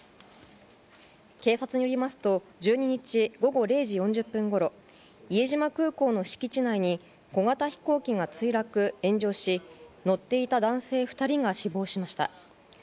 警察によりますと１２日午後０時４０分ごろ伊江島空港の敷地内に小型飛行機が墜落・炎上し乗っていた男性２人が死亡しました。